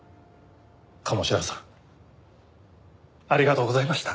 鴨志田さんありがとうございました。